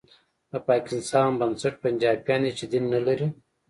د پاکستان بنسټ پنجابیان دي چې دین نه لري